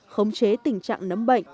khống chế tình trạng nấm bệnh